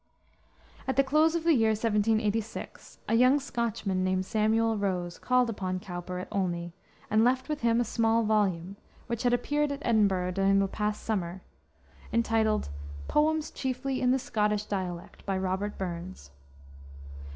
At the close of the year 1786 a young Scotchman, named Samuel Rose, called upon Cowper at Olney, and left with him a small volume, which had appeared at Edinburgh during the past summer, entitled Poems chiefly in the Scottish Dialect, by Robert Burns.